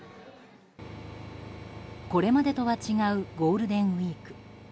これまでとは違うゴールデンウィーク。